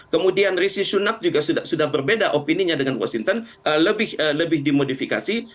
kemudian risi sunak juga sudah berbeda opininya dengan washington lebih dimodifikasi